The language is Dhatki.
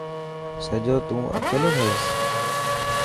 سڄو تون اڪيلو کائيس.